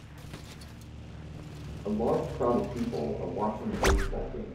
A large crowd of people are watching a baseball game.